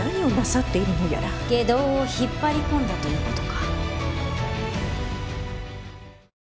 外道を引っ張り込んだということか。